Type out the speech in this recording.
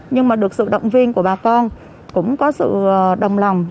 nhưng mà được sự động viên của bà con cũng có sự đồng lòng